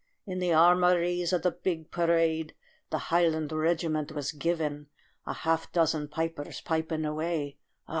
In the armories, at the big parade The highland regiment was giving, A half dozen pipers piping away Ah!